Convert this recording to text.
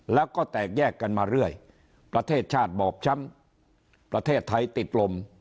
แล้วก็แตกแยกกันมาเรื่อยประเทศชาติบอบช้ำประเทศไทยติดลม